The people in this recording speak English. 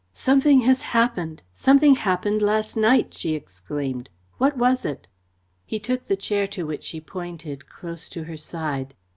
"Something has happened something happened last night!" she exclaimed. "What was it?" He took the chair to which she pointed, close to her side.